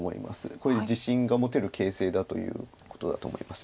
これで自信が持てる形勢だということだと思います。